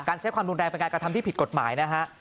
ใช้ความรุนแรงเป็นการกระทำที่ผิดกฎหมายนะฮะ